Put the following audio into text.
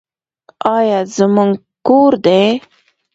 دا زموږ ګور دی؟